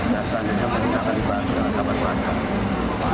dan selanjutnya kita akan dibantu